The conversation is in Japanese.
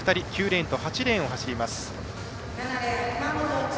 ９レーン、８レーンを走ります。